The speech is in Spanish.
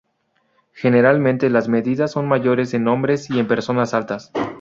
Generalmente las medidas son mayores en hombres y en personas altas.